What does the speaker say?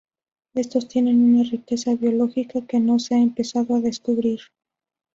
Estos Tienen una riqueza Biológica que no se ha empezado a descubrir.